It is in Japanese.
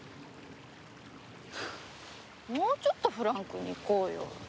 もうちょっとフランクにいこうよ。